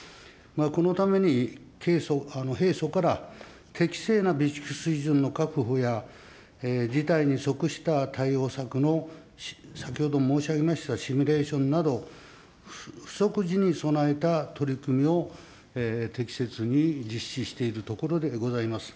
このために平素から適正な備蓄水準の確保や、事態に即した対応策の、先ほど申し上げましたシミュレーションなど、不測時に備えた取り組みを適切に実施しているところでございます。